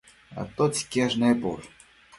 ¿atotsi quiash neposh?